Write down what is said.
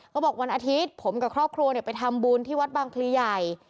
วันอาทิตย์ผมกับครอบครัวไปทำบุญที่วัดบางพลีใหญ่